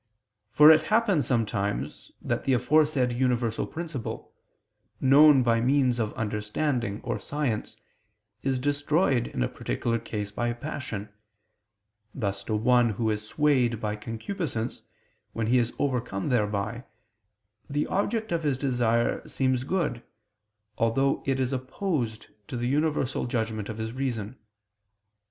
For it happens sometimes that the aforesaid universal principle, known by means of understanding or science, is destroyed in a particular case by a passion: thus to one who is swayed by concupiscence, when he is overcome thereby, the object of his desire seems good, although it is opposed to the universal judgment of his reason.